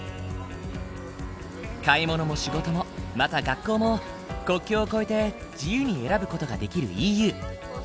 買い物も仕事もまた学校も国境を越えて自由に選ぶ事ができるＥＵ。